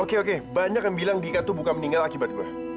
oke oke banyak yang bilang dika itu bukan meninggal akibat gue